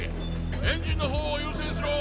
エンジンの方を優先しろ。